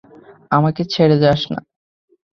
আমাকে ছেড়ে যাস না।